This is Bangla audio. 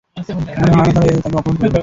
মনে হয়না তারা তাকে অপহরণ করবে।